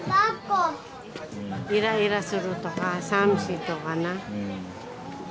イライラするとか寂しいとかな。